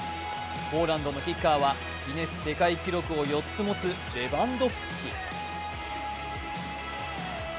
ポーランドのキッカーはギネス世界記録を４つ持つレバンドフスキ。